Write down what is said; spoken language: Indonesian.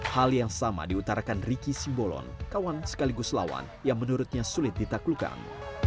hal yang sama diutarakan ricky simbolon kawan sekaligus lawan yang menurutnya sulit ditaklukkan